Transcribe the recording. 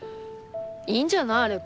いいんじゃない？